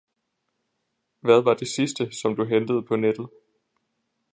Hvad var det sidste, som du hentede på nettet